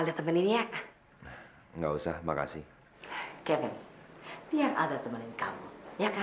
saya benar benar tak bisa terlalu lebih baik apa apa kayaknya